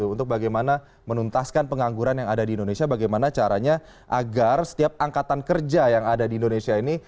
untuk bagaimana menuntaskan pengangguran yang ada di indonesia bagaimana caranya agar setiap angkatan kerja yang ada di indonesia ini